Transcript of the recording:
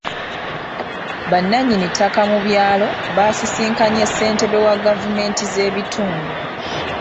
Bannannyini ttaka mu byalo baasisinkanye ssentebe wa gavumenti z'ebitundu.